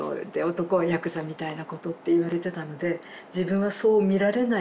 男はヤクザみたいなことって言われてたので自分はそう見られないように。